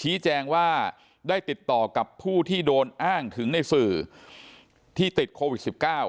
ชี้แจงว่าได้ติดต่อกับผู้ที่โดนอ้างถึงในสื่อที่ติดโควิด๑๙